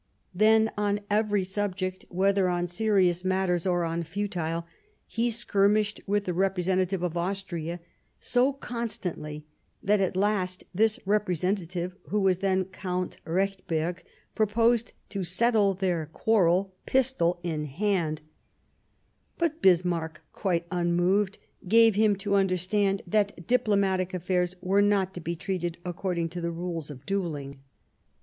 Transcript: Then, on every subject, whether on serious matters or on futile, he skir mished with the representative of Austria so constantly that at last this representative (who was then Count Rechberg) proposed to settle their quarrel pistol in hand ; but Bismarck, quite unmoved, gave him to understand that diplomatic affairs were not to be treated according to the rules of duelling.